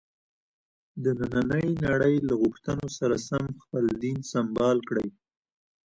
د نننۍ نړۍ له غوښتنو سره سم خپل دین سمبال کړي.